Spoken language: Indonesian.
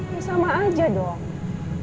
ya sama aja dong